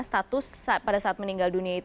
status pada saat meninggal dunia itu